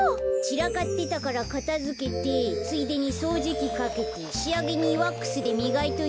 ちらかってたからかたづけてついでにそうじきかけてしあげにワックスでみがいといたよ。